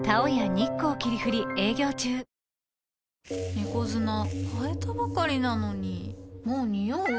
猫砂替えたばかりなのにもうニオう？